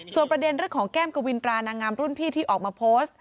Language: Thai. ส่วนประเด็นเรื่องของแก้มกวินตรานางงามรุ่นพี่ที่ออกมาโพสต์